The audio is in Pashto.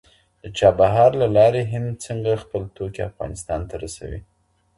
د چابهار له لاري هند څنګه خپل توکي افغانستان ته رسوي؟